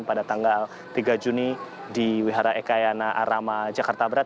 pada tanggal tiga juni di wihara ekayana arama jakarta berat